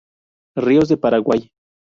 Ríos de Paraguay